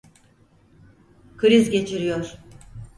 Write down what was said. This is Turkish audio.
Kriz geçiriyor.